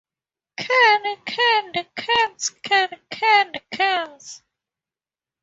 Can canned cans can canned cans?